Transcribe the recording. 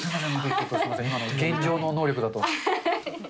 今の現状の能力だと。